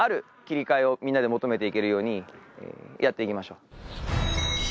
みんなで求めていけるようにやっていきましょう。